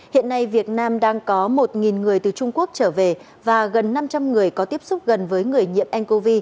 hiện nay việt nam đang có một người từ trung quốc trở về và gần năm trăm linh người có tiếp xúc gần với người nhiễm ncov